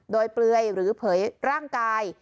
โดยเปลือยหรือเผยร่างกาย